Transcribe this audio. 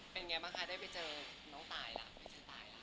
เป็นยังไงบ้างคะได้ไปเจอน้องตายล่ะ